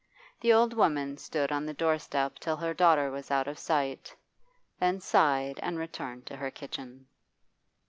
The old woman stood on the doorstep till her daughter was out of sight, then sighed and returned to her kitchen.